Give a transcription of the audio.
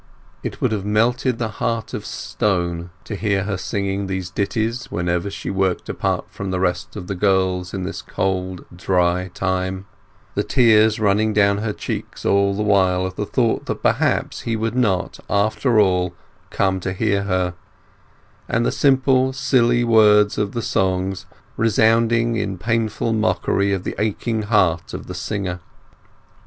It would have melted the heart of a stone to hear her singing these ditties whenever she worked apart from the rest of the girls in this cold dry time; the tears running down her cheeks all the while at the thought that perhaps he would not, after all, come to hear her, and the simple silly words of the songs resounding in painful mockery of the aching heart of the singer.